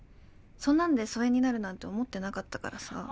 そんなんで疎遠になるなんて思ってなかったからさ。